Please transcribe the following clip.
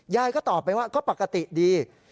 ยายก็ตอบไปว่าก็ปกติดี